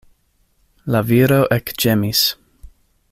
La viro ekĝemis.